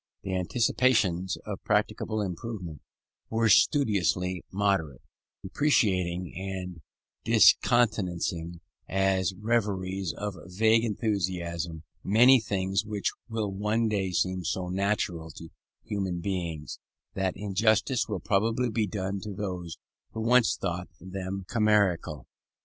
The anticipations of practicable improvement were studiously moderate, deprecating and discountenancing as reveries of vague enthusiasm many things which will one day seem so natural to human beings, that injustice will probably be done to those who once thought them chimerical.